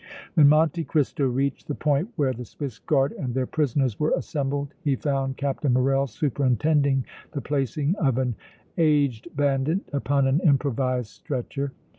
When Monte Cristo reached the point where the Swiss Guard and their prisoners were assembled, he found Captain Morrel superintending the placing of an aged bandit upon an improvised stretcher.